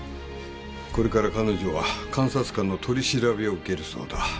これから彼女は監察官の取り調べを受けるそうだ。